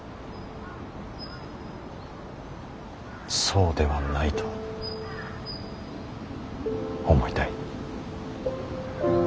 そうではないと思いたい。